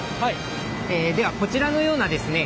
ではこちらのようなですね